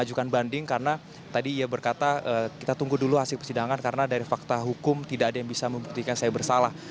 mengajukan banding karena tadi ia berkata kita tunggu dulu hasil persidangan karena dari fakta hukum tidak ada yang bisa membuktikan saya bersalah